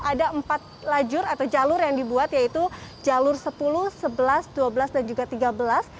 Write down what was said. ada empat lajur atau jalur yang dibuat yaitu jalur sepuluh sebelas dua belas dan juga tiga belas